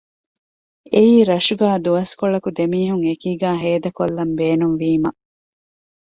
އެއީ ރަށުގައި ދުވަސްކޮޅަކު ދެމީހުން އެކީގައި ހޭދަކޮށްލަން ބޭނުންވީމަ